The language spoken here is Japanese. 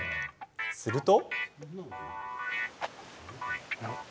すると。